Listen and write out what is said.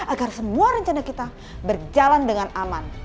agar semua rencana kita berjalan dengan aman